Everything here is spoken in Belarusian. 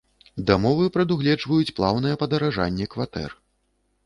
Дамовы прадугледжваюць плаўнае падаражанне кватэр.